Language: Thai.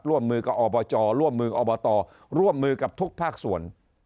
ร่วมมือกับอบจร่วมมืออบตร่วมมือกับทุกภาคส่วน